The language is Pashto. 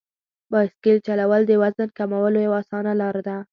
بایسکل چلول د وزن کمولو یوه اسانه لار ده.